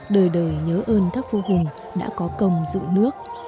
đời đời nhớ ơn các vua hùng đã có công dự nước